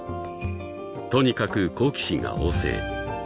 ［とにかく好奇心が旺盛］